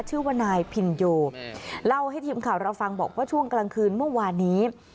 ชื่อว่านายพินโยเล่าให้ทีมข่าวเราฟังบอกว่าช่วงกลางคืนเมื่อวานนี้